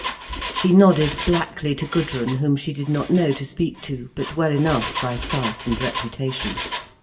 She nodded blackly to Gudrun, whom she did not know to speak to, but well enough by sight and reputation.